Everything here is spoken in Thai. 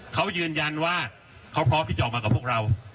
เขายืนยันว่าเขาพร้อมที่จะออกมากับพวกเรา